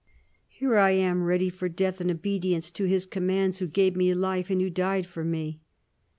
Here am I ready for death in obedi ence to His commands who gave me life, and who died for me."